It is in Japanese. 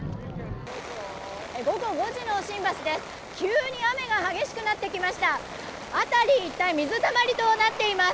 午後５時の新橋です。